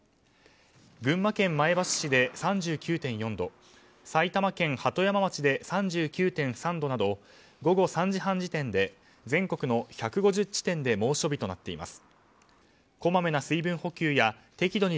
群馬県前橋市で３９．４度埼玉県鳩山町で３９．３度など午後３時半時点で全国の１５０地点で猛暑日となっています。